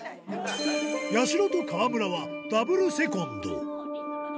やしろと川村はダブルセコンド。